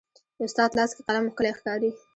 د استاد لاس کې قلم ښکلی ښکاري.